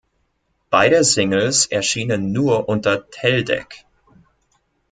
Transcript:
Beide Singles erschienen nur unter Teldec.